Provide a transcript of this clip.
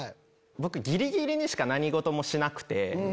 僕ギリギリにしか何事もしなくて。